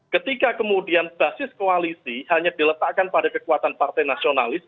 ketika kemudian basis koalisi hanya diletakkan pada kekuatan partai nasionalis